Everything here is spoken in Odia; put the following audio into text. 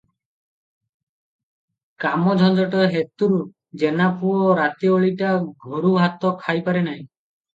କାମ ଝଞ୍ଜଟ ହେତୁରୁ ଜେନାପୁଅ ରାତିଓଳିଟା ଘରୁଭାତ ଖାଇପାରେ ନାହିଁ ।